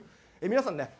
皆さんね